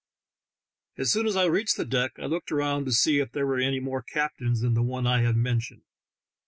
As soon as I reached the deck I looked around to see if there were any more captains than the one I have mentioned.